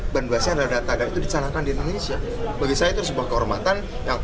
banbasnya ada ada itu dicanakan di indonesia bagi saya itu sebuah kehormatan